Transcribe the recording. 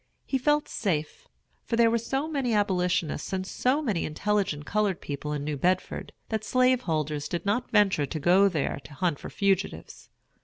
He felt safe; for there were so many Abolitionists and so many intelligent colored people in New Bedford, that slaveholders did not venture to go there to hunt for fugitives.